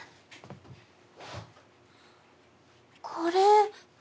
これ！